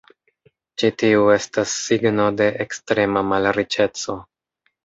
Ĉi tiu estas signo de ekstrema malriĉeco.